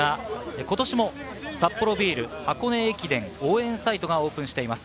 今年もサッポロビール箱根駅伝応援サイトがオープンしています。